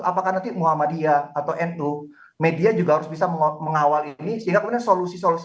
apakah nanti muhammadiyah atau nu media juga harus bisa mengawal ini sehingga kemudian solusi solusi